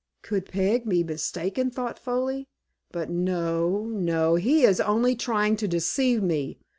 "Could Peg be mistaken?" thought Foley. "But no, no; he is only trying to deceive me.